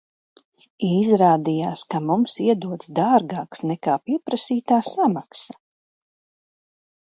Izrādījās, ka mums iedots dārgāks, nekā pieprasītā samaksa.